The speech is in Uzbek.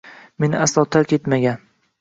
Meni aslo tark etmagan